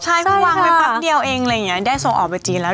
ใช่ค่ะวางเพื่อเป็นเพิ่มเดียวอะไรอย่างเงี้ยได้ส่งออกไปจีนแล้ว